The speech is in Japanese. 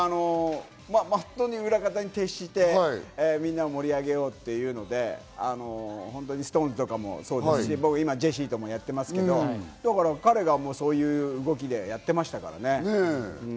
裏方に徹して、みんなを盛り上げようというので、ＳｉｘＴＯＮＥＳとかもジェシーとも今やってますけど、彼がそういう動きでやってましたからね。